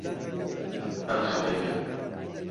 ئەم خەمەی من